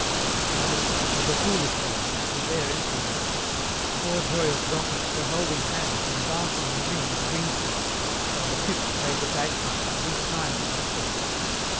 At the other side were the foolish virgins with their empty lamps. Four joyous gossips were holding hands and dancing in a ring on the greensward, while the fifth played the bagpipe and beat time with her foot.